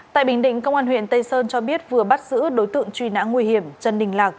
tại bình định công an huyện tây sơn cho biết vừa bắt giữ đối tượng truy nã nguy hiểm trần đình lạc